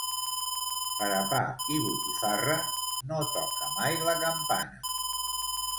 Per a pa i botifarra, no toca mai la campana.